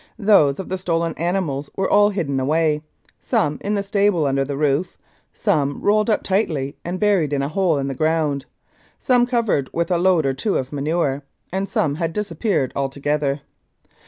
Those of the stolen animals were all hidden away some in the stable under the roof, some rolled up tightly and buried in a hole in the ground, some covered with a load or two of manure, and some had disappeared altogether.